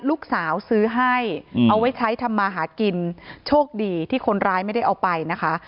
ลูกสาวซื้อให้เอาไว้ใช้ทำมาหากินโชคดีที่คนร้ายไม่ได้เอาไปนะคะ